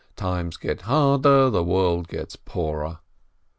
Times get harder, the world gets poorer.